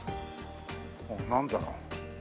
なんだろう？